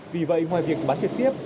vì vậy ngoài việc bán trực tiếp